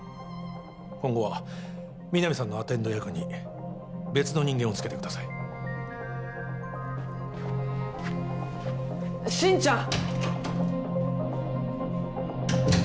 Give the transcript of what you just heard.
今後は皆実さんのアテンド役に別の人間をつけてください心ちゃん！